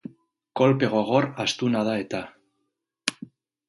Kolpe gogor, astuna da eta.